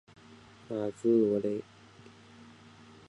马兹罗勒。